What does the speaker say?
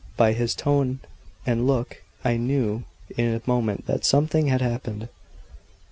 By his tone and look I knew in a moment that something had happened.